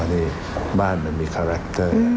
นี่บ้านมันมีคาแรคเตอร์